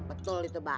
betul itu pak